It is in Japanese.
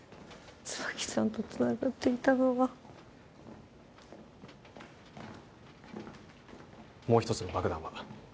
椿さんとつながっていたのはもう一つの爆弾は？